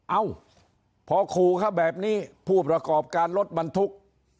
เอ้าพอขู่เขาแบบนี้ผู้ประกอบการรถบรรทุก